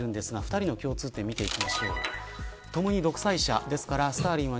２人の共通点を見ていきます。